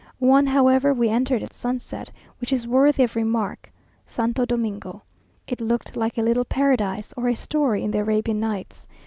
One, however, we entered at sunset, which is worthy of remark Santo Domingo. It looked like a little Paradise, or a story in the Arabian Nights.